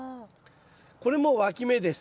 これもわき芽です。